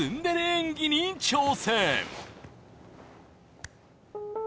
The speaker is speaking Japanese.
演技に挑戦